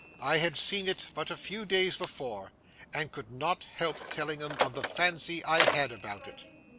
I had seen it but a few days before, and could not help telling them of the fancy I had about it.